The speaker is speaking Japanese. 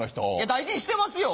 大事にしてますよ。